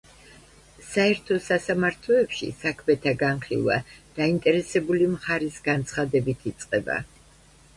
საერთო სასამართლოებში საქმეთა განხილვა დაინტერესებული მხარის განცხადებით იწყება.